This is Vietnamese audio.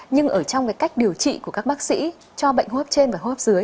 nhưng ở trong cách điều trị của các bác sĩ cho bệnh hô hấp trên và hô hấp dưới